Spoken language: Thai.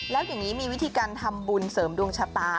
แล้วอย่างนี้มีวิธีการทำบุญเสริมดวงชะตา